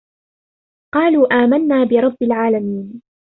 قَالُوا آمَنَّا بِرَبِّ الْعَالَمِينَ